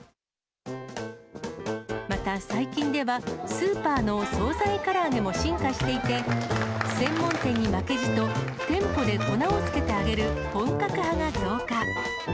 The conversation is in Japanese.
また最近では、スーパーの総菜から揚げも進化していて、専門店に負けじと、店舗で粉をつけて揚げる本格派が増加。